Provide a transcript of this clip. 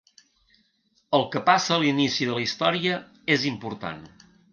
El que passa a l'inici de la història és important.